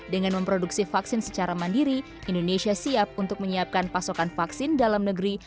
dengan memproduksi vaksin secara mandiri indonesia siap untuk menyiapkan pasokan vaksin dalam negeri